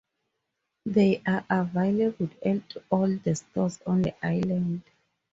They are available at all the stores on the island.